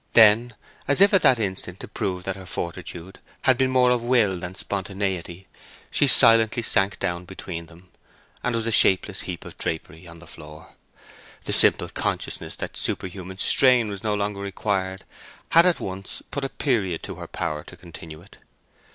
Then, as if at that instant to prove that her fortitude had been more of will than of spontaneity, she silently sank down between them and was a shapeless heap of drapery on the floor. The simple consciousness that superhuman strain was no longer required had at once put a period to her power to continue it.